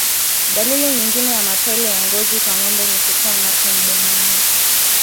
Dalili nyingine ya mapele ya ngozi kwa ngombe ni kutoa mate mdomoni